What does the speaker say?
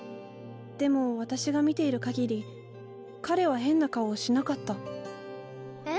でも私が見ている限り彼は変な顔をしなかったえ？